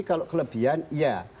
kalau kelebihan iya